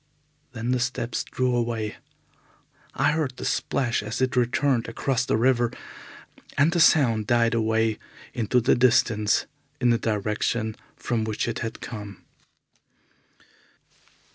Then the steps drew away. I heard the splash as it returned across the river, and the sound died away into the distance in the direction from which it had come.